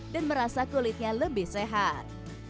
dan merasa kulitnya lebih sehat